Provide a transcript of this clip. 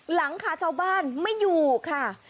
หลังคาชาวบ้านไม่อยู่ค่ะ